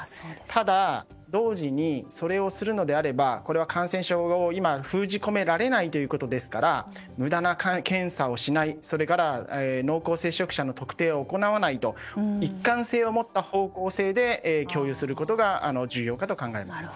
ただ同時にそれをするのであれば感染症を今、封じ込められないということですから無駄な検査をしないそれから濃厚接触者の特定を行わないと一貫性を持った方向性で共有することが重要かと考えます。